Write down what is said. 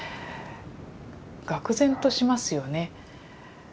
がく然としますよね。